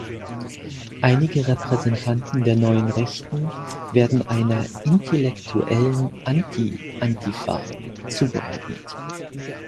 Einige Repräsentanten der Neuen Rechten werden einer „intellektuellen Anti-Antifa“ zugeordnet.